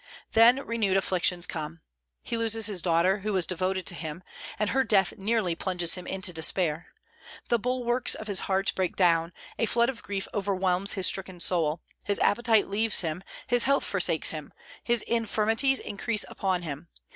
Then renewed afflictions come. He loses his daughter, who was devoted to him; and her death nearly plunges him into despair. The bulwarks of his heart break down; a flood of grief overwhelms his stricken soul. His appetite leaves him; his health forsakes him; his infirmities increase upon him.